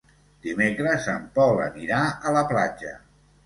Dimecres en Pol anirà a la platja.